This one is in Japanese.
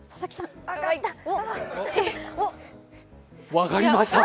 分かりました！